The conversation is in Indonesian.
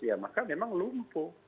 ya maka memang lumpuh